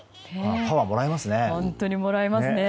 パワーをもらいますよね。